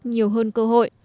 nhiều hơn cơ hội